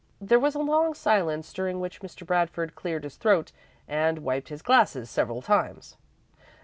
There was a long silence, during which Mr. Bradford cleared his throat, and wiped his glasses several times.